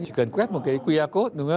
chỉ cần quét một qr code